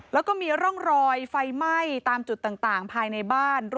แล้วก็มีร่องรอยไฟไหม้ตามจุดต่างภายในบ้าน